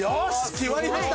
決まりました。